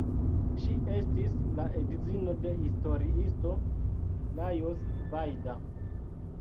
Ŝi estis la edzino de historiisto Lajos Vajda.